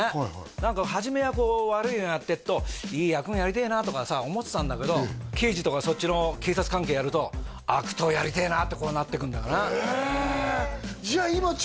何か初めはこう悪いのやってるといい役もやりてえなとかさ思ってたんだけど刑事とかそっちの警察関係やると悪党やりてえなってなってくるんだよねえ！